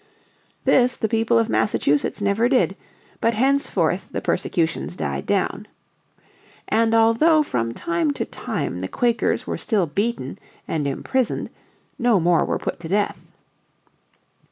This the people of Massachusetts never did. But henceforth the persecutions died down. And although from time to time the Quakers were still beaten and imprisoned no more were put to death.